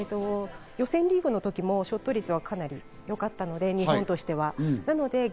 予選リーグの時もショット率はかなりよかったので、日本としては。